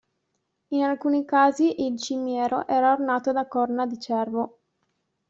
In alcuni casi il cimiero era ornato da corna di cervo.